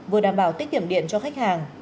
vừa đảm bảo tích điểm điện cho khách hàng